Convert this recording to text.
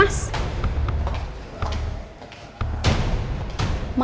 mas tunggu mas